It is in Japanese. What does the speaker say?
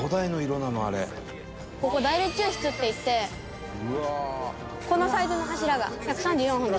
ここ大列柱室っていってこのサイズの柱が１３４本。